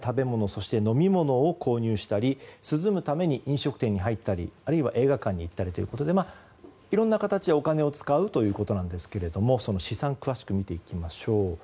そして、飲み物を購入したり涼むために飲食店に入ったりあるいは映画館に行ったりといろんな形でお金を使うということなんですがその試算詳しく見ていきましょう。